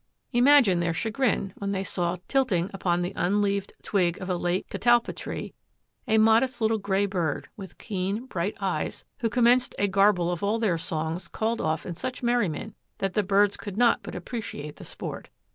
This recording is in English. Imagine their chagrin when they saw tilting upon the unleaved twig of a late catalpa tree a modest little gray bird with keen, bright eyes, who commenced a garble of all their songs called off in such merriment that the birds could not but appreciate the sport.